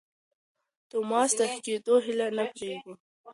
توماس د ښه کېدو هیله نه پرېښوده.